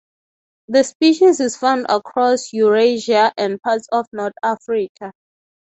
This species is found across Eurasia and parts of North Africa.